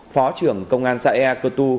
phó trưởng công an xã ea cơ tu